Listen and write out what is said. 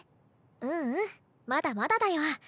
ううんまだまだだよ。